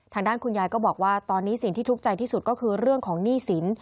ทางด้านคุณยายก็บอกว่าตอนนี้สิ่งที่ทุกข์ใจที่สุดก็คือเรื่องของหนี้สิน